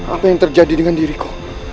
apa yang terjadi dengan diriku